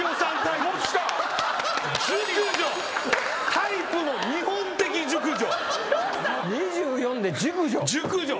タイプの見本的熟女！